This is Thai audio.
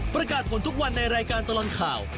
ประกาศผลทุกวันในรายการตลอดข่าว